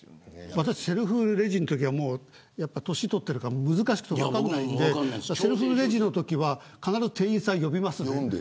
私は、セルフレジのときはやっぱり年を取ってるから難しくて分からないんでセルフレジのときは必ず店員さんを呼びます。